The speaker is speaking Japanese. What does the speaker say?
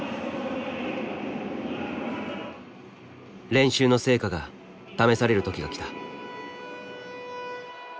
練習の成果が試される時が来た。